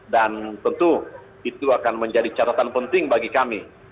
dan tentu itu akan menjadi catatan penting bagi kami